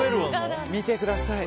見てください。